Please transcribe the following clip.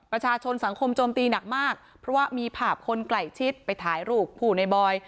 ประชาชนสังคมโจมตีหนักมากเพราะว่ามีภาพคนใกล้ชิดไปถ่ายรูปผู้ในบอย